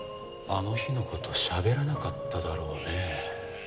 あの日の事しゃべらなかっただろうね？